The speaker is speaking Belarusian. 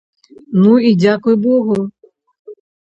Ну і дзякуй богу!